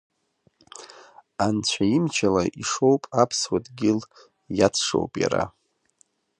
Анцәа имчала ишоуп аԥсуа дгьыл иацшоуп иара.